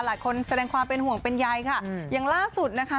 แสดงความเป็นห่วงเป็นใยค่ะอย่างล่าสุดนะคะ